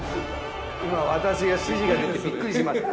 今私が指示が出てびっくりしました。